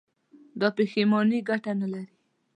دا پښېماني گټه نه لري.